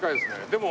でも。